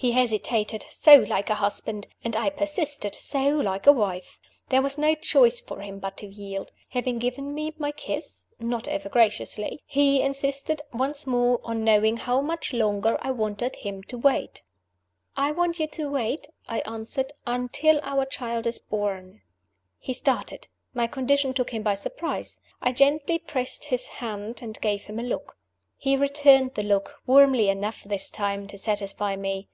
He hesitated (so like a husband!). And I persisted (so like a wife!). There was no choice for him but to yield. Having given me my kiss (not over graciously), he insisted once more on knowing how much longer I wanted him to wait. "I want you to wait," I answered, "until our child is born." He started. My condition took him by surprise. I gently pressed his hand, and gave him a look. He returned the look (warmly enough, this time, to satisfy me).